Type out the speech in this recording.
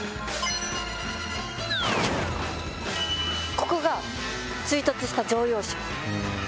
ここが追突した乗用車。